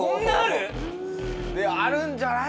あるんじゃない？